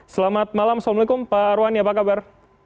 selamat malam assalamualaikum pak arwani apa kabar